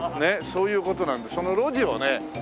そういう事なのでその路地をね